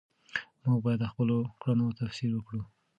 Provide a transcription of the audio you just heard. موږ باید د خپلو کړنو تفسیر وکړو.